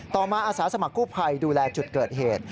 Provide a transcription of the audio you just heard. มาอาสาสมัครกู้ภัยดูแลจุดเกิดเหตุ